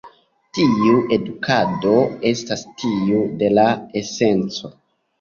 Tiu edukado estas tiu de la esenco.